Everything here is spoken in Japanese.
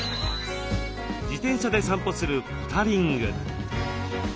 自転車で散歩するポタリング。